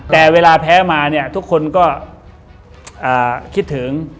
แต่เวลาแพ้มาเนี่ยทุกคนก็คิดถึง